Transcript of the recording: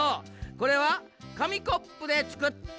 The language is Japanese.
これはかみコップでつくった。